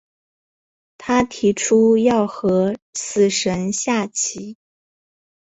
他提出要和死神下棋。